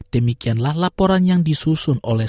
demikianlah laporan yang disusun oleh